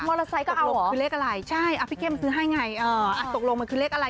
มอเตอร์ไซก็เอาเหรอใช่พี่เข้มซื้อให้ไงตกลงมันคือเลขอะไร